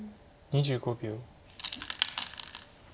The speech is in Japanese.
２５秒。